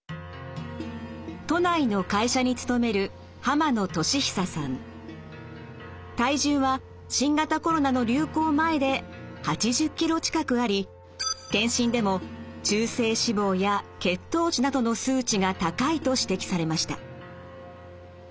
都内の会社に勤める体重は新型コロナの流行前で８０ｋｇ近くあり健診でも中性脂肪や血糖値などの数値が高いと指摘されました。